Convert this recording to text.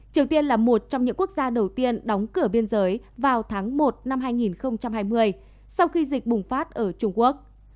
triều tiên là một trong những quốc gia đầu tiên đóng cửa biên giới vào tháng một năm hai nghìn hai mươi sau khi dịch bùng phát ở trung quốc